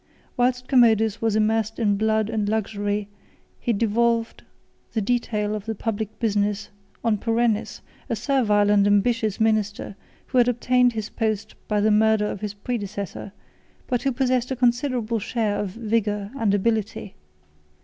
Whilst Commodus was immersed in blood and luxury, he devolved the detail of the public business on Perennis, a servile and ambitious minister, who had obtained his post by the murder of his predecessor, but who possessed a considerable share of vigor and ability.